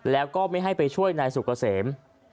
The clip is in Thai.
แล้วก็ไม่ให้ไปช่วยนายสุกเกษม